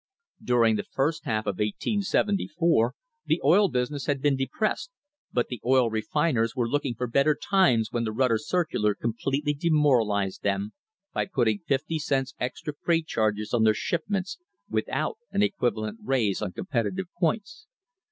During the first half of 1874 the oil business had been depressed, but the oil refiners were looking for bet ter times when the Rutter circular completely demoralised them by putting fifty cents extra freight charges on their shipments without an equivalent raise on competitive points.